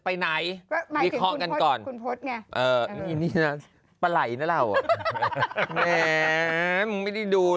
ไปไหนผมจะนี่คอล์กกันก่อนเอาอนี่นี่เออไอ่มึงไม่ได้ดู